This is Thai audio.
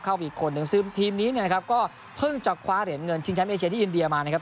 เข้าอีกคนหนึ่งซึ่งทีมนี้ก็เพิ่งจะคว้าเหรียญเงินทีมแชมป์เอเชียที่อินเดียมานะครับ